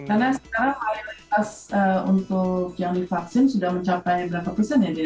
karena sekarang kualitas untuk yang divaksin sudah mencapai berapa persen ya